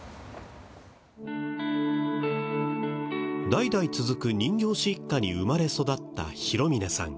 代々続く人形師一家に生まれ育った弘峰さん。